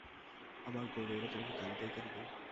আমার গৌর, ওরা তোমাকে গালি দেয় কেন গো।